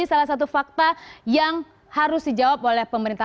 ini adalah satu fakta yang harus dijawab oleh pemerintah